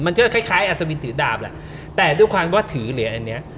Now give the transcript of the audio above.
คล้ายคล้ายอัศวินถือดาบแหละแต่ด้วยความว่าถือเหรียญอันเนี้ย